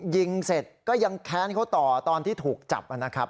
ยิงเสร็จก็ยังแค้นเขาต่อตอนที่ถูกจับนะครับ